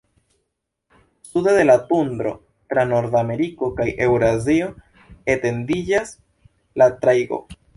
Sude de la tundro, tra Nordameriko kaj Eŭrazio, etendiĝas la tajgo.